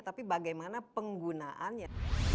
tapi bagaimana penggunaannya